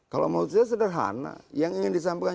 kalau menurut saya sederhana yang ingin disampaikan